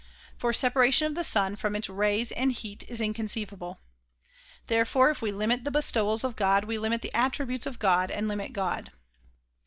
For separation of the sun from its rays and heat is inconceivable. Therefore if we limit the bestowals of God we limit the attributes of God and limit God.